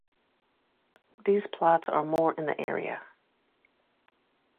These plots are or more in area.